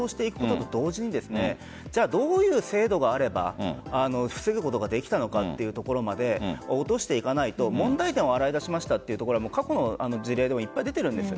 と、同時にどういう制度があれば防ぐことができたのかというところまで落としていかないと問題点を洗い出しましたというところは過去の事例でもいっぱい出ているんです。